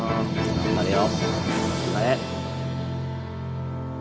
頑張れよ。